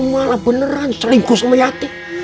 kamu malah beneran selingkuh sama yati